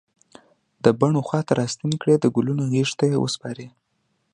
د بڼ و خواته راستنې کړي د ګلونو غیږ ته یې وسپاری